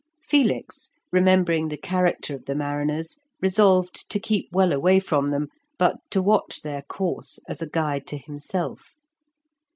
Felix, remembering the character of the mariners, resolved to keep well away from them, but to watch their course as a guide to himself.